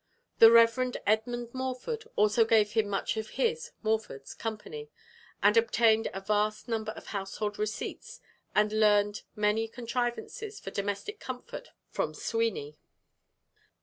The Rev. Edmund Morford also gave him much of his (Morford's) company, and obtained a vast number of household receipts and learned many contrivances for domestic comfort from Sweeney.